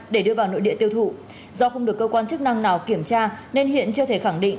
để đưa vào nội địa tiêu thụ do không được cơ quan chức năng nào kiểm tra nên hiện chưa thể khẳng định